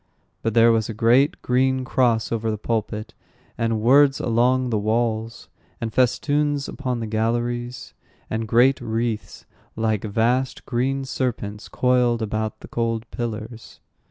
But there was a great green cross over the pulpit, and words along the walls, and festoons upon the galleries, and great wreaths, like vast green serpents, coiled about the cold pillars.